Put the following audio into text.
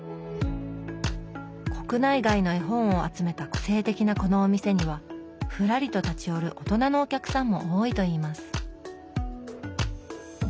国内外の絵本を集めた個性的なこのお店にはふらりと立ち寄る大人のお客さんも多いといいます